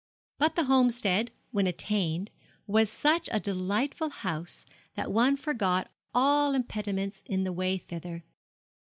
But the Homestead, when attained, was such a delightful house that one forgot all impediments in the way thither.